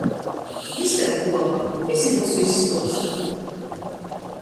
Jis kai buoba — vysim vysu izstuosta.